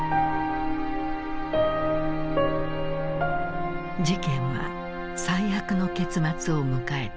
事件は最悪の結末を迎えた。